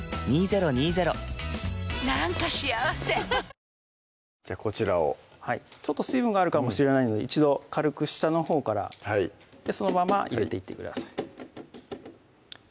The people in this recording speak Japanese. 混ぜ混ぜじゃあこちらを水分があるかもしれないので一度軽く下のほうからそのまま入れていってください